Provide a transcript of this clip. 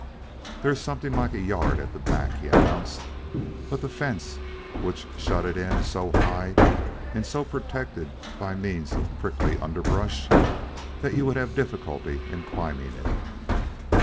"There is something like a yard at the back," he announced, "but the fence which shut it in is so high and so protected by means of prickly underbrush that you would have difficulty in climbing it."